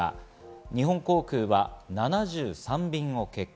日本航空は７３便を欠航。